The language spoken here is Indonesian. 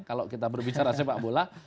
kalau kita berbicara sepak bola